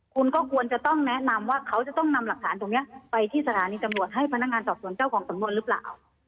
คุณก็ควรจะต้องแนะนำว่าเขาจะต้องนำหลักฐานตรงนี้ไปที่สถานีตำรวจให้พนักงานสอบสวนเจ้าของสำนวนหรือเปล่า